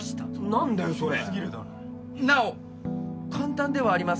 何だよそれ急すぎるだろ「なお簡単ではありますが」